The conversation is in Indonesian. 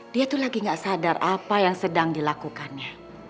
dia tuh lagi gak sadar apa yang sedang dilakukannya